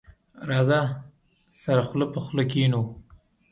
راځه، سره خله په خله کېنو.